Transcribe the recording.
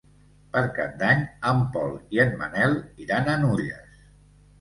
Per Cap d'Any en Pol i en Manel iran a Nulles.